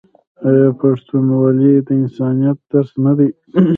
آیا پښتونولي د انسانیت درس نه دی؟